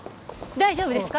大丈夫ですか！？